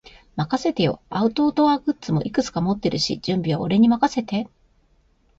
任せてよ。アウトドアグッズもいくつか持ってるし、準備は俺に任せて。